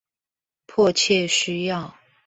迫切需要